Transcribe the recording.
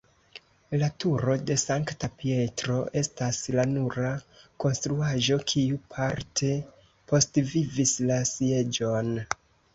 La turo de Sankta Pietro estas la nura konstruaĵo kiu parte postvivis la Sieĝon.